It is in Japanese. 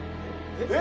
えっ？